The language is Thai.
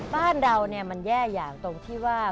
บ้านเรามันแย่อย่างตรงที่ว่า